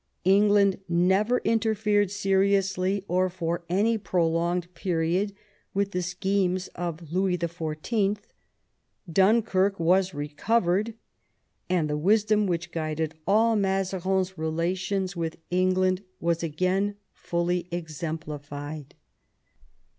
England never interfered seriously or for any prolonged period with the schemes of Louis XIV., Dunkirk was recovered, and the wisdom which guided all Mazarin's relations with England was again fully exemplified.